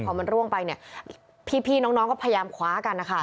พอมันร่วงไปเนี่ยพี่น้องก็พยายามคว้ากันนะคะ